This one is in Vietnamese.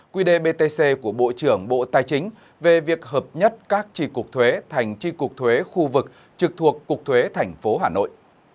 quy đề btc của bộ trưởng bộ tài chính về việc hợp nhất các tri cục thuế thành tri cục thuế khu vực trực thuộc cục thuế thành phố hà nội